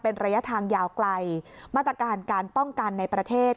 เป็นระยะทางยาวไกลมาตรการการป้องกันในประเทศ